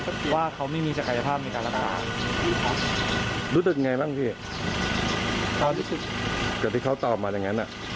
คือคือแบบหนุ่มวิทย์ขึ้นมาเลยอ่ะ